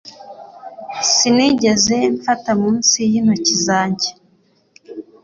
Sinigeze mfata munsi y'intoki zanjye